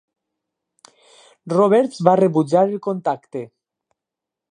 Roberts va rebutjar el contacte.